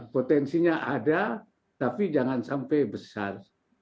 potensinya ada tapi jangan sampai besar